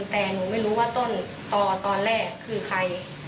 แต่หนูไม่รู้ว่าต้นต่อตอนแรกคือใคร